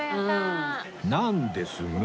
なんですが